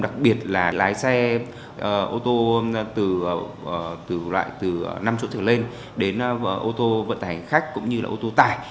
đặc biệt là lái xe ô tô từ năm chỗ trở lên đến ô tô vận tải khách cũng như là ô tô tải